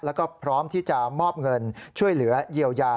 แล้วก็พร้อมที่จะมอบเงินช่วยเหลือเยียวยา